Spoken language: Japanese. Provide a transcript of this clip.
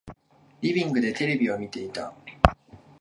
リビングでテレビを見ていた。